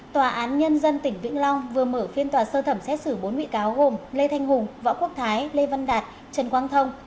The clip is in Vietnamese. tòa án nhân dân tỉnh vĩnh long vừa mở phiên tòa sơ thẩm xét xử bốn bị cáo gồm lê thanh hùng võ quốc thái lê văn đạt trần quang thông